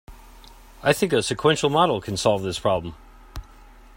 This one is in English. I think a sequential model can solve this problem.